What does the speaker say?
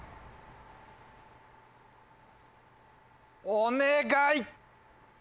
お願い！